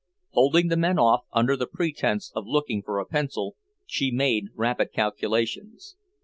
Holding the men off under the pretence of looking for a pencil, she made rapid calculations.